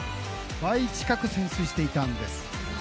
倍近く潜水していたんです！